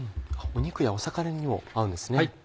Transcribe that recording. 肉や魚にも合うんですね。